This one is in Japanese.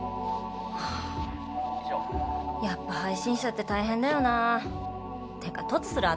ハァやっぱ配信者って大変だよなぁてか凸する頭